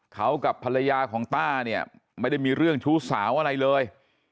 เขากับภรรยาของต้าเนี่ยไม่ได้มีเรื่องชู้สาวอะไรเลย